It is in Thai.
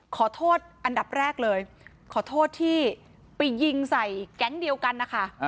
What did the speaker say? ขอโทษอันดับแรกเลยขอโทษที่ไปยิงใส่แก๊งเดียวกันนะคะ